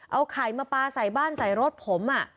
เอาไข่มาปลาใส่บ้านใส่รถผม